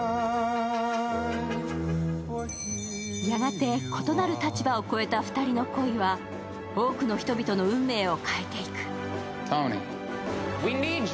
やがて異なる立場を超えた２人の恋は、多くの人々の運命を変えていく。